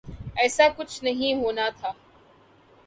ایسا کچھ نہیں ہونا تھا۔